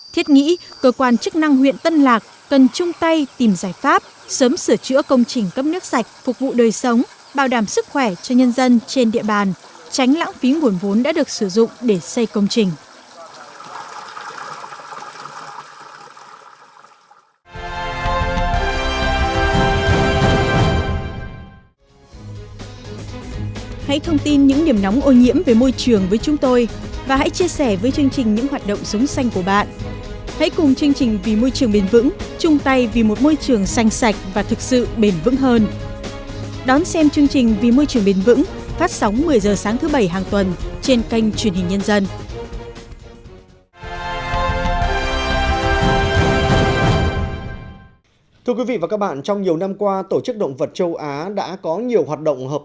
thiết nghĩ cơ quan chức năng huyện tân lạc cần chung tay tìm giải pháp sớm sửa chữa công trình cấp nước sạch phục vụ đời sống bảo đảm sức khỏe cho nhân dân trên địa bàn tránh lãng phí nguồn vốn đã được sử dụng để xây công trình